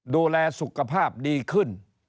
ดูแลสุขภาพดีขึ้น